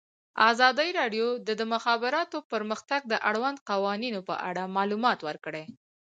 ازادي راډیو د د مخابراتو پرمختګ د اړونده قوانینو په اړه معلومات ورکړي.